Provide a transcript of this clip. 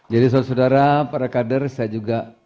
jadi saudara saudara para kader saya juga